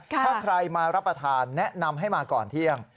ถ้าใครมารับประทานแนะนำให้มาก่อนเที่ยง